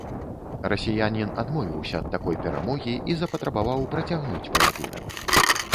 Расіянін адмовіўся ад такой перамогі і запатрабаваў працягнуць паядынак.